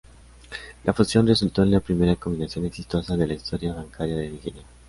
La fusión resultó en la primera combinación exitosa de la historia bancaria de Nigeria.